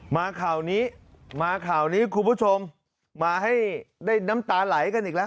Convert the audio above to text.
มาข่าวนี้มาข่าวนี้คุณผู้ชมมาให้ได้น้ำตาไหลกันอีกแล้ว